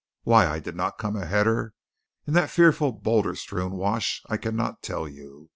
Why I did not come a header in that fearful, boulder strewn wash I cannot tell you.